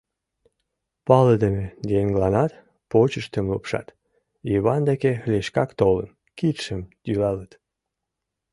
Палыдыме еҥланат почыштым лупшат, Йыван деке лишкак толын, кидшым йӱлалыт.